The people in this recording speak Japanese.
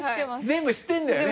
全部知ってるんだよね？